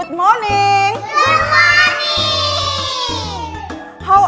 tidak boleh pikir yang baik